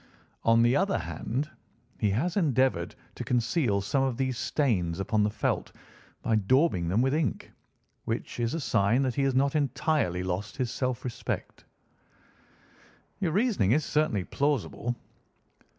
On the other hand, he has endeavoured to conceal some of these stains upon the felt by daubing them with ink, which is a sign that he has not entirely lost his self respect." "Your reasoning is certainly plausible."